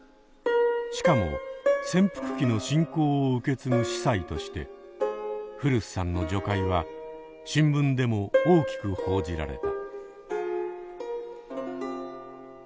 しかも潜伏期の信仰を受け継ぐ司祭として古巣さんの叙階は新聞でも大きく報じられた。